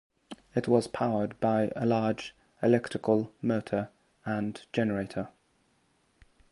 It was powered by a large electrical motor and generator.